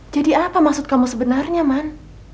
apa maksud kamu sebenarnya man